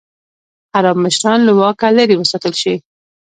خراب مشران له واکه لرې وساتل شي.